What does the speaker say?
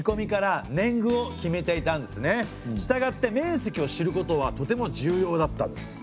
したがって面積を知ることはとても重要だったんです。